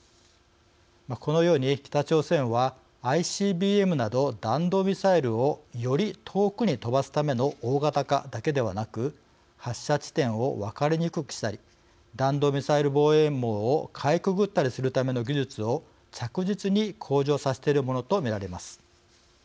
このように、北朝鮮はＩＣＢＭなど弾道ミサイルをより遠くに飛ばすための大型化だけではなく発射地点を分かりにくくしたり弾道ミサイル防衛網をかいくぐったりするための技術を着実に向上させているものと見られます。